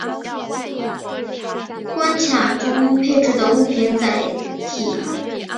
关卡中配置的物品载体。